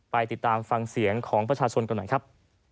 ไปติดตามฟังเสียงของประชาชนกันหน่อยครับ